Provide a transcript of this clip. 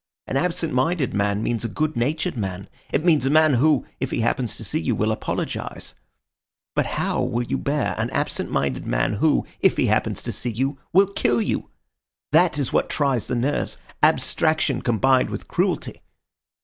An absentminded man means a good natured man. It means a man who, if he happens to see you, will apologise. But how will you bear an absentminded man who, if he happens to see you, will kill you? That is what tries the nerves, abstraction combined with cruelty.